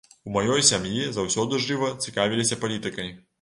У маёй сям'і заўсёды жыва цікавіліся палітыкай.